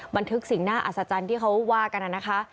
บันทึกสิ่งน่าอัศจรรย์ที่เขาว่ากันนะคะ